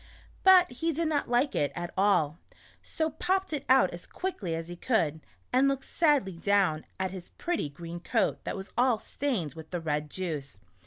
But he did not like it at all, so popped it out as quickly as he could, and looked sadly down at his pretty green coat that was all stained with the red juice.